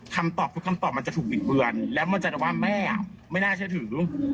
คำตอบทุกคำตอบมันจะถูกบิดเบือนแล้วมันจะว่าแม่ไม่น่าเชื่อถือ